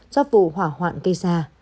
do vụ hỏa hoạn gây ra